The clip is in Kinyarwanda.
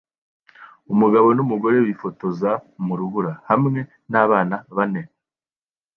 Umugabo numugore bifotoza mu rubura hamwe nabana bane